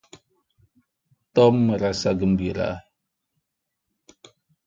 Tom merasa gembira.